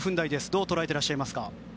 どう捉えていらっしゃいますか。